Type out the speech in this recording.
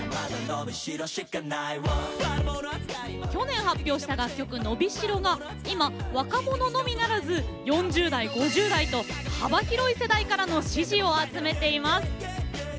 去年発表した楽曲「のびしろ」が今若者のみならず４０代５０代と幅広い世代からの支持を集めています。